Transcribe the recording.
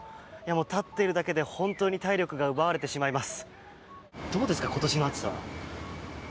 立っているだけで本当に体力が奪われてしまいます。